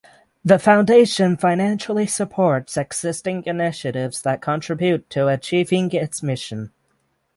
The foundation financially supports existing initiatives that contribute to achieving its mission.